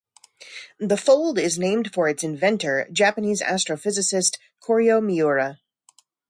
The fold is named for its inventor, Japanese astrophysicist Koryo Miura.